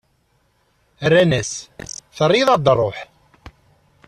Rran-as: Terriḍ-aɣ-d ṛṛuḥ!